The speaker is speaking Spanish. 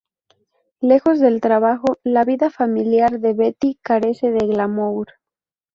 Lejos del trabajo, la vida familiar de Betty carece de glamour.